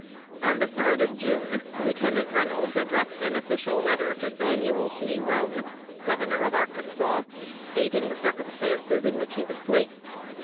On the third of June, Lieutenant Reynolds addressed an official letter to Samuel C. Roane, Governor of Arkansas, stating the circumstances in which he was placed.